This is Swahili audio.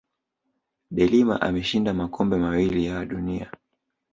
de Lima ameshinda makombe mawili ya dunia